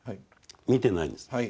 見てないんです。